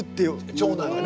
長男がね。